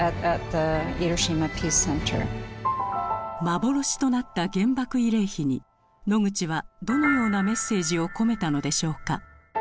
幻となった原爆慰霊碑にノグチはどのようなメッセージを込めたのでしょうか？